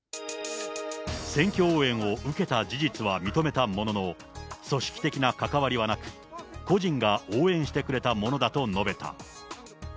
選挙応援を受けた事実は認めたものの、組織的なかかわりはなく、個人が応援してくれたものだと述べた。